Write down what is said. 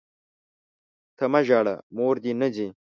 ته مه ژاړه ، موردي نه ځي!